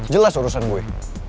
jelas urusan gue